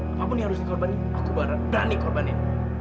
apapun yang harus dikorbanin aku berani korbanin